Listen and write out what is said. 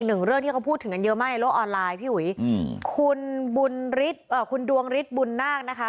อีกหนึ่งเรื่องที่เขาพูดถึงกันเยอะมากในโลกออนไลน์พี่หุย